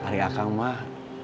hari akang mah